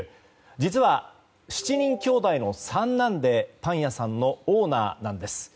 実は７人きょうだいの三男でパン屋さんのオーナーなんです。